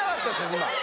今。